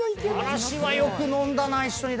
嵐はよく飲んだな一緒に。